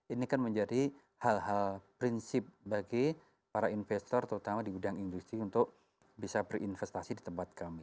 ini kan menjadi hal hal prinsip bagi para investor terutama di bidang industri untuk bisa berinvestasi di tempat kami